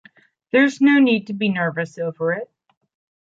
There's no need to be nervous over it.